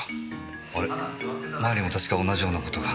あれっ？前にも確か同じような事が。